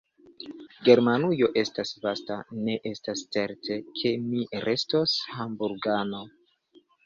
Germanujo estas vasta; ne estas certe, ke mi restos Hamburgano.